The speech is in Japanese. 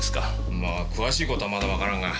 まあ詳しい事はまだわからんが。